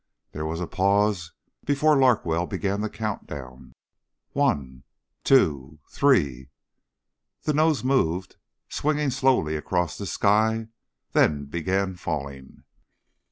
There was a pause before Larkwell began the countdown. "One ... two ... three...." The nose moved, swinging slowly across the sky, then began falling.